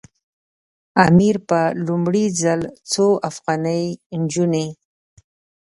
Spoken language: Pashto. امیر په لومړي ځل څو افغاني نجونې.